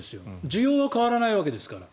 需要は変わらないわけですから。